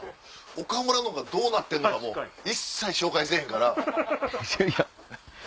岡村のがどうなってんのか一切紹介せぇへんから。